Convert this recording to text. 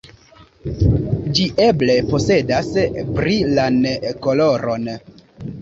Ĝi eble posedas brilan koloron.